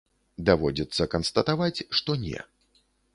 Даводзіцца канстатаваць, што не.